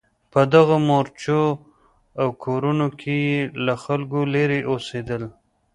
په دغو مورچو او کورونو کې یې له خلکو لرې اوسېدل.